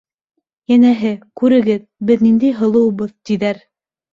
Йәнәһе: «Күрегеҙ, беҙ ниндәй һылыубыҙ!» -тиҙәр.